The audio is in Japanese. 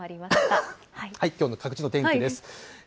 きょうの各地の天気です。